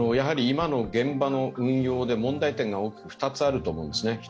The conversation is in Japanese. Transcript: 今の現場の運用で問題点が２つあると思うんですね。